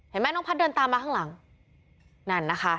เห็นไหมน้องพัดเดินตามมาข้างหลังนั่นนะคะ